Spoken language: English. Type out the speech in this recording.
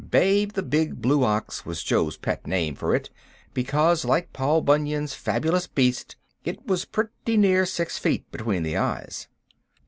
"Babe, the big blue ox," was Jo's pet name for it; because, like Paul Bunyan's fabulous beast, it was pretty nearly six feet between the eyes.